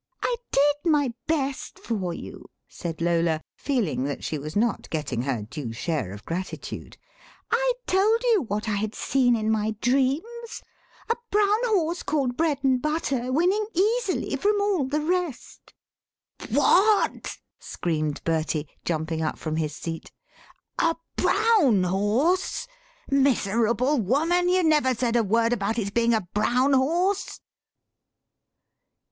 "I did my best for you," said Lola, feeling that she was not getting her due share of gratitude; "I told you what I had seen in my dreams, a brown horse, called Bread and Butter, winning easily from all the rest." "What?" screamed Bertie, jumping up from his sea, "a brown horse! Miserable woman, you never said a word about it's being a brown horse."